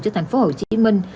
cho thành phố hồ chí minh